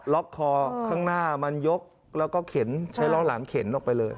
ล็อกคอข้างหน้ามันยกแล้วก็เข็นใช้ล้อหลังเข็นออกไปเลย